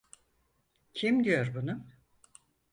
Kim diyor bunu?